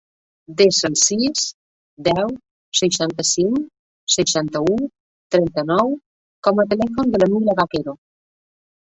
Desa el sis, deu, seixanta-cinc, seixanta-u, trenta-nou com a telèfon de la Mila Baquero.